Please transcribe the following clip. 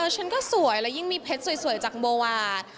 ฉันก็สวยแล้วยิ่งมีเพชรสวยจากโบวา